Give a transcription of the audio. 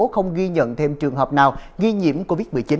không ghi nhận thêm trường hợp nào nghi nhiễm covid một mươi chín